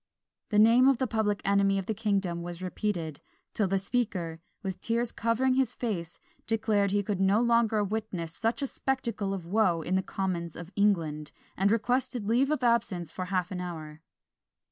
The name of the public enemy of the kingdom was repeated, till the Speaker, with tears covering his face, declared he could no longer witness such a spectacle of woe in the commons of England, and requested leave of absence for half an hour.